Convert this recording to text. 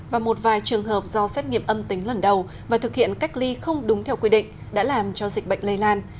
và một vài trường hợp do xét nghiệm âm tính lần đầu và thực hiện cách ly không đúng theo quy định đã làm cho dịch bệnh lây lan